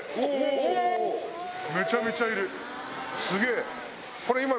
めちゃめちゃいる。